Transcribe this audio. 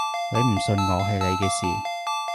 你唔信我係你嘅事